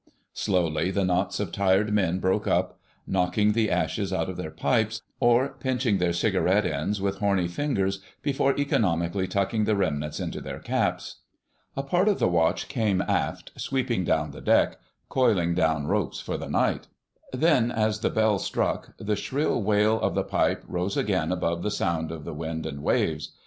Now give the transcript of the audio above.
Slowly the knots of tired men broke up, knocking the ashes out of their pipes, or pinching their cigarette ends with horny fingers before economically tucking the remnants into their caps. A part of the Watch came aft, sweeping down the deck, coiling down ropes for the night. Then, as the bell struck, the shrill wail of the pipe rose again above the sound of the wind and waves.